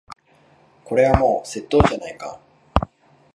これはもう窃盗じゃないか。